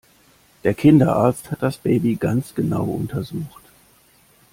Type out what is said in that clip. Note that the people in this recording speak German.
Der Kinderarzt hat das Baby ganz genau untersucht.